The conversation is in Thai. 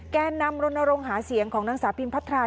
แก่นำรณรงค์หาเสียงของนางสาวพิมพัทรา